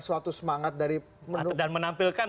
suatu semangat dari dan menampilkan